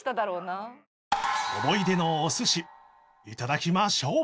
思い出のお寿司頂きましょう